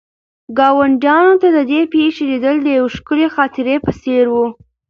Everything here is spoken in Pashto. ګاونډیانو ته د دې پېښې لیدل د یوې ښکلې خاطرې په څېر وو.